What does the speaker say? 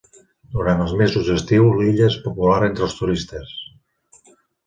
Durant els mesos d'estiu, l'illa és popular entre els turistes.